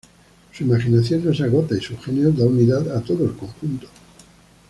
Su imaginación no se agota y su genio da unidad a todo el conjunto.